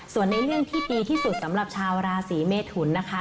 ส่วนในเรื่องที่ดีที่สุดสำหรับชาวราศีเมทุนนะคะ